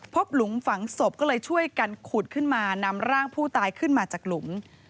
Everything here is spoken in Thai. หลุมฝังศพก็เลยช่วยกันขุดขึ้นมานำร่างผู้ตายขึ้นมาจากหลุม